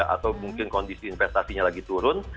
atau mungkin kondisi investasinya lagi turun